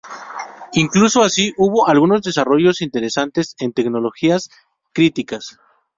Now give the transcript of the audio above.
Incluso así, hubo algunos desarrollos interesantes en tecnologías críticas.